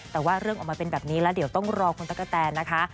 แต่ว่าเรื่องออกมาเป็นแบบนี้แล้วเดี๋ยวต้องรอคุณตะกะแตนนะคะ